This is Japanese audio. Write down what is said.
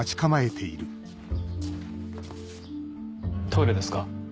トイレですか？